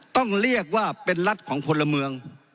ต้องเรียกว่าเป็นรัฐของพลเมือง